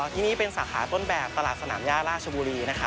ที่นี่เป็นสาขาต้นแบบตลาดสนามย่าราชบุรีนะคะ